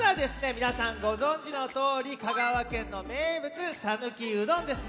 みなさんごぞんじのとおり香川県の名物さぬきうどんですね。